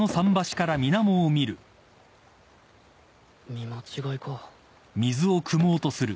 見間違いか。